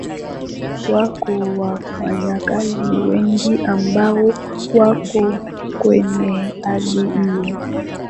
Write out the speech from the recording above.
wako wafanyakazi wengi ambao wako kwenye hali hiyo